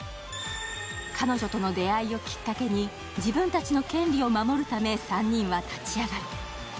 彼女との出会いをきっかけに自分たちの権利を守るため３人は立ち上がる。